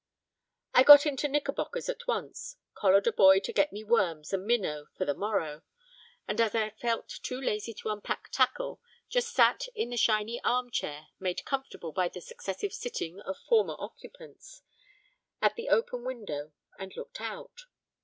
I got into knickerbockers at once, collared a boy to get me worms and minnow for the morrow, and as I felt too lazy to unpack tackle, just sat in the shiny armchair (made comfortable by the successive sitting of former occupants) at the open window and looked out.